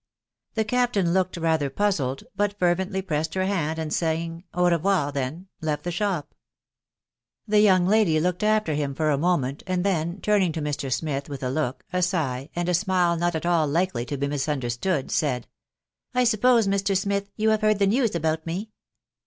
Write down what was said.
The Captain looked rather puzzled, hut fervently pressed her hand, and saying " Au revoir then !" left the shop. The young lady looked after him for a moment, and then, turning to Mr. Smith with a look, a sigh, and a smile not at all likely to he misunderstood, said, —" I suppose, Mr. Smith, you have heard the news about me